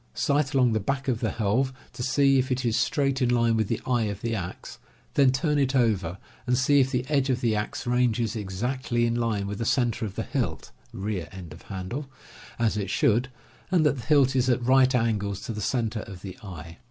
Sight along the back of the helve to see if it is straight in line with the eye of the axe, then turn it over and see if the edge of the axe ranges exactly in line with the center of the hilt (rear end of handle), as it should, and that the hilt is at right angles to the cen ter of the eye.